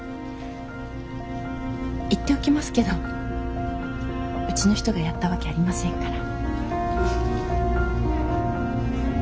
言っておきますけどうちの人がやったわけありませんから。